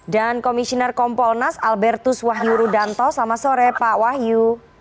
dan komisioner kompolnas albertus wahyu rudanto selamat sore pak wahyu